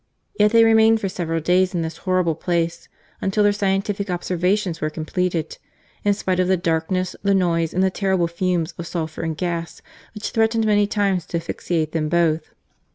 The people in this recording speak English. Yet they remained for several days in this horrible place, until their scientific observations were completed, in spite of the darkness, the noise, and the terrible fumes of sulphur and gas which threatened many times to asphyxiate them both.